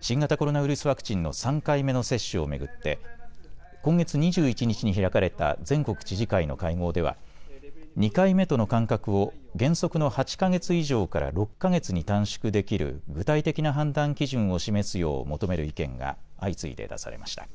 新型コロナウイルスワクチンの３回目の接種を巡って今月２１日に開かれた全国知事会の会合では２回目との間隔を原則の８か月以上から６か月に短縮できる具体的な判断基準を示すよう求める意見が相次いで出されました。